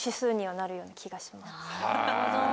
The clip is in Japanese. なるほど。